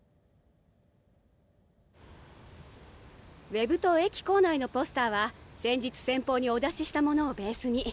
ウェブと駅構内のポスターは先日先方にお出ししたものをベースに。